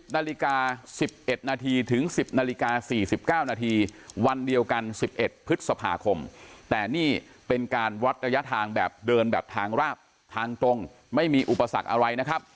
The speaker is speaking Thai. นาฬิกา๑๑นาทีถึง๑๐นาฬิกา๔๙นาทีวันเดียวกัน๑๑พฤษภาคมแต่นี่เป็นการวัดระยะทางแบบเดินแบบทางราบทางตรงไม่มีอุปสรรคอะไรนะครับ